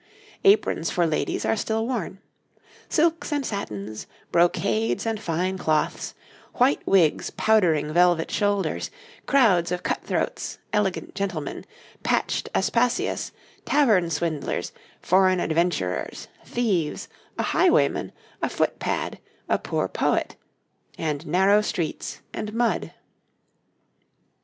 Aprons for ladies are still worn. Silks and satins, brocades and fine cloths, white wigs powdering velvet shoulders, crowds of cut throats, elegant gentlemen, patched Aspasias, tavern swindlers, foreign adventurers, thieves, a highwayman, a footpad, a poor poet and narrow streets and mud.